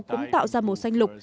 cũng tạo ra màu xanh lục